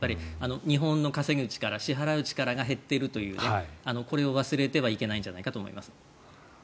日本の稼ぐ力、支払う力が減っているというこれを忘れてはいけないんじゃないかと思います。